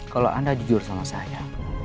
kalau anda jujur sama saya